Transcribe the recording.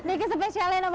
ini spesialnya apa bu